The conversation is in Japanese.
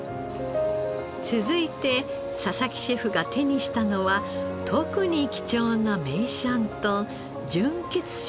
続いて佐々木シェフが手にしたのは特に貴重な梅山豚純血種の肉です。